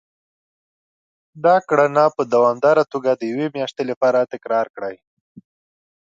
دا کړنه په دوامداره توګه د يوې مياشتې لپاره تکرار کړئ.